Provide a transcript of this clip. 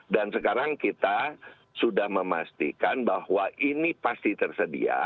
dan sekarang kita sudah memastikan bahwa ini pasti tersedia